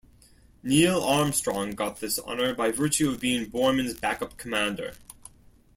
Neil Armstrong got this honor by virtue of being Borman's backup commander.